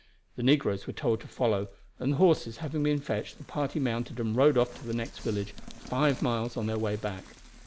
The negroes were told to follow; and the horses having been fetched the party mounted and rode off to the next village, five miles on their way back.